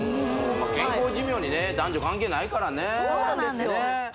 健康寿命にね男女関係ないからねそうなんですよ